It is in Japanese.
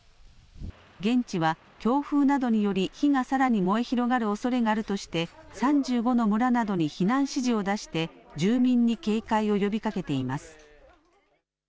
現地は強風などにより火がさらに燃え広がるおそれがあるとして、３５の村などに避難指示を出して住民に警戒を呼びかけています。